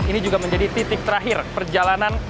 ini juga menjadi titik terakhir perjalanan